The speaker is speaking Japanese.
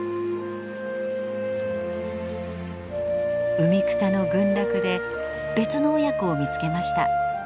海草の群落で別の親子を見つけました。